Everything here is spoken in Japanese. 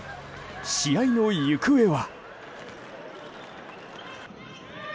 試合の行方は。